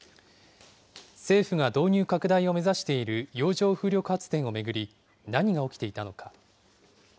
政府が導入拡大を目指している洋上風力発電を巡り、何が起きていたのか。